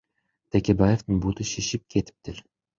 Текебаевдин буту шишип кетиптир.